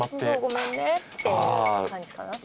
ごめんねっていう感じかなって。